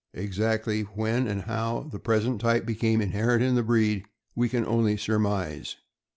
Exactly when and how the pres ent type became inherent in the breed we can only surmise.